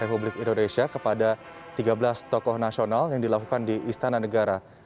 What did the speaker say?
republik indonesia kepada tiga belas tokoh nasional yang dilakukan di istana negara